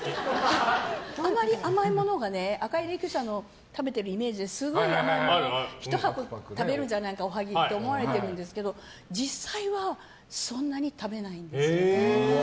あまり甘いものが「赤い霊柩車」で食べてるイメージですごい甘いもの１箱食べるんじゃないかおはぎって思われてるんですけど実際はそんなに食べないんです。